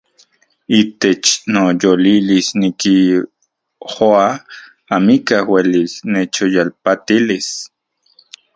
Itech noyolilis nikijoa amikaj uelis nechyolpatilis.